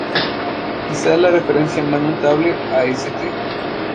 Quizás la referencia más notable a St.